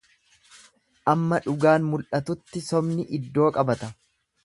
Amma dhugaan mul'atutti sobni iddoo qabata.